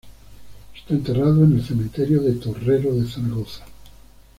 Está enterrado en el cementerio de Torrero de Zaragoza.